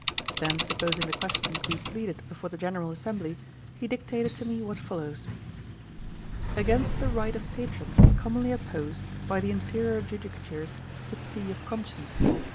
Then supposing the question to be pleaded before the General Assembly, he dictated to me what follows: 'Against the right of patrons is commonly opposed, by the inferiour judicatures, the plea of conscience.